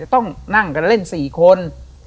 จะต้องนั่งกันเล่นสี่คน